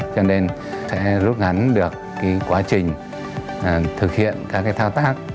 cho nên sẽ rút ngắn được quá trình thực hiện các thao tác